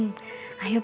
mak cari kue